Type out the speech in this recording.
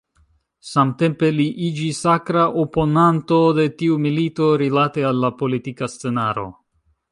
Samtempe li iĝis akra oponanto de tiu milito rilate al la politika scenaro.